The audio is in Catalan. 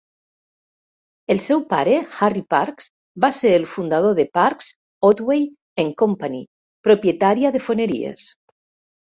El seu pare, Harry Parkes, va ser el fundador de Parkes, Otway and Company, propietària de foneries.